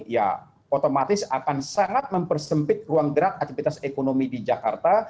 ya otomatis akan sangat mempersempit ruang gerak aktivitas ekonomi di jakarta